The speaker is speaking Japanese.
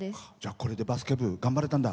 これでバスケ部頑張れたんだ。